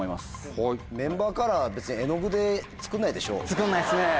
作んないですね。